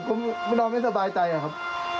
ไม่เป็นไรพี่ถ้าอย่างนี้ผมก็นอนไม่สบายใจครับ